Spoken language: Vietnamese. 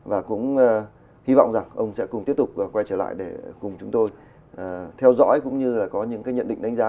và cũng hy vọng rằng ông sẽ cùng tiếp tục quay trở lại để cùng chúng tôi theo dõi cũng như là có những cái nhận định đánh giá